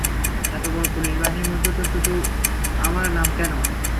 এত বড় পুলিশ বাহিনীর মধ্যে, তো শুধু আমার নাম কেন?